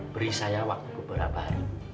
beri saya waktu beberapa hari